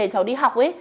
cháu đi học